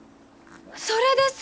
それです！